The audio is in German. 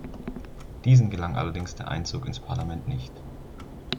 Diesen gelang allerdings der Einzug ins Parlament nicht.